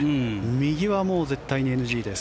右はもう絶対にＮＧです。